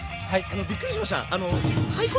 びっくりしました。